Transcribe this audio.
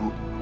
bukan kan bu